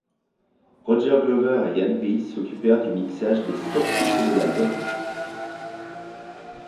Roger Glover et Ian Paice s'occupèrent du mixage des sept titres de l'album.